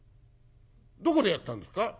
「どこでやったんですか？」。